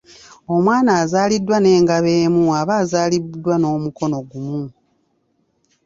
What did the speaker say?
Omwana azaaliddwa n'engabo emu aba azaalidwa n’omukono gumu.